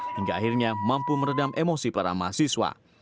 hingga akhirnya mampu meredam emosi para mahasiswa